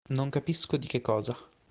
Non capisco di che cosa.